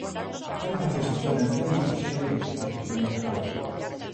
Cabe facer especial mención nos subxéneros de ciencia ficción e terror.